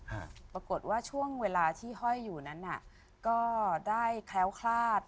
ปรากฏว่าช่วงเวลาที่ห้อยอยู่นั้นน่ะก็ได้แคล้วคลาด